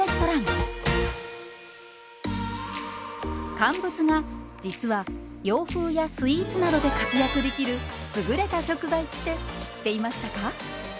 乾物が実は洋風やスイーツなどで活躍できる優れた食材って知っていましたか？